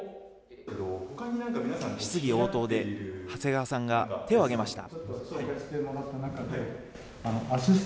質疑応答で、長谷川さんが手を挙げました。